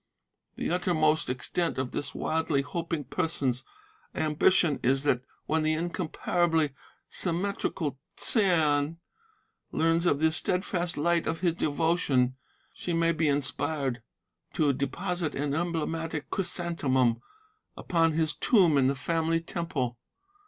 The uttermost extent of this wildly hoping person's ambition is that when the incomparably symmetrical Ts'ain learns of the steadfast light of his devotion, she may be inspired to deposit an emblematic chrysanthemum upon his tomb in the Family Temple.